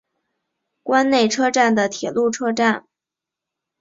关内车站的铁路车站。